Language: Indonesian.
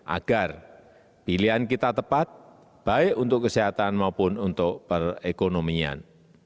agar pilihan kita tepat baik untuk kesehatan maupun untuk perekonomian